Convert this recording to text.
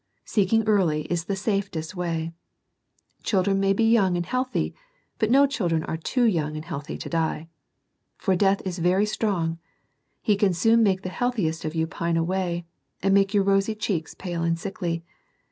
Seeking early is the safest way. Children may be young and healthy; but no children are too young and healthy to die. For death is very strong : he can soon make the healthiest of you pine away, and make your rosy cheeks pale and sickly.